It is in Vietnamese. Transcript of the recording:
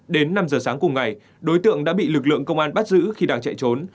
đến năm giờ sáng cùng ngày đối tượng đã bị lực lượng công an bắt giữ khi đang chạy trốn